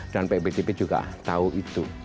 dan pak btp juga tahu itu